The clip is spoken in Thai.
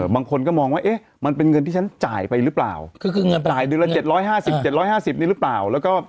มั่งคนก็ว่ามันเงินที่ฉันจ่ายไปรึเปล่า